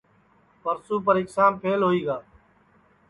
پرسو پریکشام پھیل ہوئی گا